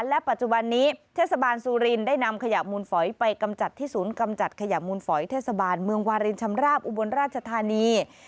และปัจจุบันนี้เทศบาลสุรินได้นำขยะมูลฝอยไปกำจัดที่ศูนย์กำจัดขยะมูลฝอยเทศบาลเมืองวารินชำราบอุบลราชธานี